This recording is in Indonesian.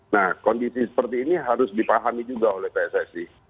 nah kondisi seperti ini harus dipahami juga oleh pssi